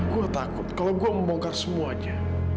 gue takut kalau gue membongkar semuanya